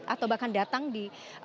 atau bahkan datang di